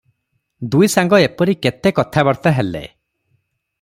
ଦୁଇସାଙ୍ଗ ଏପରି କେତେ କଥାବାର୍ତ୍ତା ହେଲେ ।